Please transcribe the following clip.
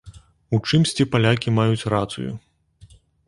У чымсьці палякі маюць рацыю.